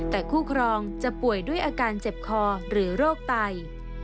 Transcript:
แต่คู่ครองจะป่วยด้วยอาการเจ็บคอหรือโรคไต